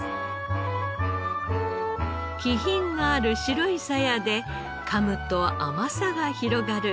気品ある白いサヤで噛むと甘さが広がる